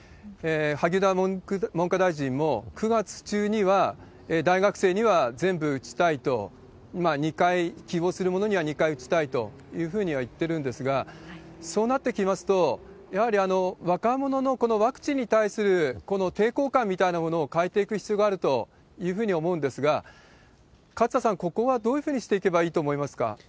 萩生田文科大臣も、９月中には大学生には全部打ちたいと、２回、希望する者には２回打ちたいというふうには言ってるんですが、そうなってきますと、やはり若者のこのワクチンに対する、この抵抗感みたいなものを変えていく必要があるというふうに思うんですが、勝田さん、ここはどういうふうにしていけばいいと思いますか？